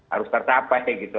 harus tercapai gitu